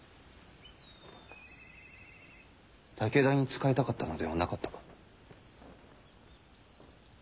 武田に仕えたかったのではなかったか。